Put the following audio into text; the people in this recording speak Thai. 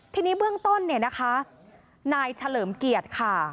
ทีนี้เบื้องต้นนายเฉลิมเกียจค่ะ